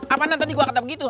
apaanan tadi gua kata begitu